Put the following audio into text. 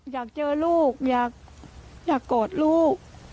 อยากเจอลูกอยากกอดลูก